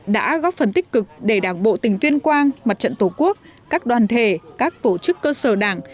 đã góp phần tích cực để đảng bộ tỉnh tuyên quang mặt trận tổ quốc các đoàn thể các tổ chức cơ sở đảng